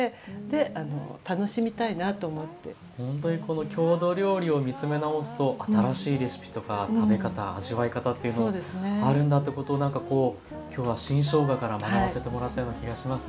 だからほんとにこの郷土料理を見つめ直すと新しいレシピとか食べ方味わい方っていうのあるんだってことなんかこう今日は新しょうがから学ばせてもらったような気がします。